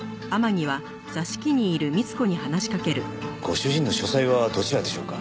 ご主人の書斎はどちらでしょうか？